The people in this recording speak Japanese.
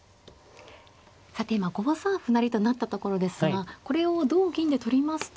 さて今５三歩成と成ったところですがこれを同銀で取りますと。